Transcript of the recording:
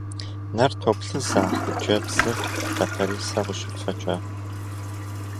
Нэр топлъызэ а хъыджбзыр лъапэрисэ къыщыфэкӏэ.